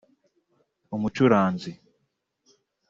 umucuranzi